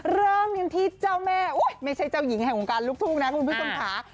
เริ่มกันที่เจ้าแม่ไม่ใช่เจ้าหญิงแห่งวงการลูกทุ่งนะคุณผู้ชมค่ะ